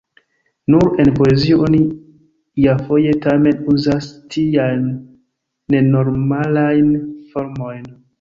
Nur en poezio oni iafoje tamen uzas tiajn nenormalajn formojn.